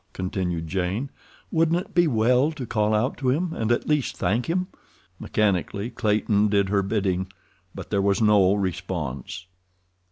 continued Jane. "Wouldn't it be well to call out to him, and at least thank him?" Mechanically Clayton did her bidding, but there was no response.